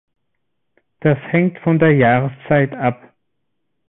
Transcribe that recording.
Das hängt von der Jahreszeit ab.